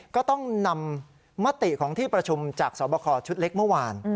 ก็ต้องนำมติของที่ประชุมจากสอบคอชุดเล็กเมื่อวาน